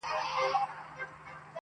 شکر وباسمه خدای ته په سجده سم.